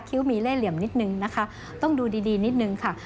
มีเล่เหลี่ยมนิดนึงนะคะต้องดูดีนิดนึงค่ะ